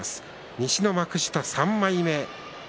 西の幕下３枚目です。